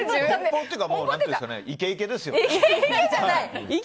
奔放というかイケイケですよね。